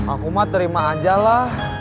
aku mah terima aja lah